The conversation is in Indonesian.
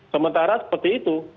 sementara seperti itu